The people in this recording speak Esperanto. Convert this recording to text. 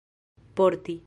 porti